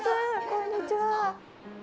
こんにちは。